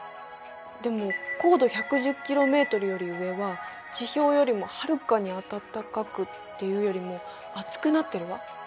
でも高度１１０ｋｍより上は地表よりもはるかに暖かくというよりも暑くなってるわ。